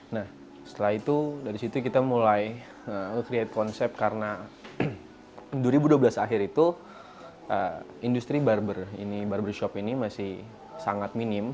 nah setelah itu dari situ kita mulai create konsep karena dua ribu dua belas akhir itu industri barbershop ini masih sangat minim